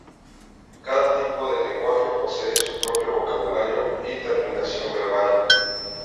Cada tipo de lenguaje posee su propio vocabulario y terminación verbal.